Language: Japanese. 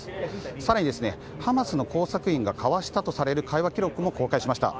更にハマスの工作員が交わしたとする会話記録も公開しました。